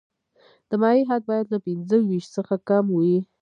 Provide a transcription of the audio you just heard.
د مایع حد باید له پنځه ویشت څخه کم وي